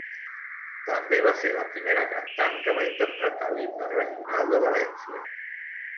També va ser la primera cantant que va interpretar l’himne regional de València.